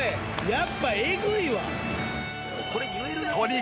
やっぱエグいわ！